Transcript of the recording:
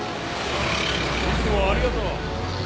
いつもありがとう。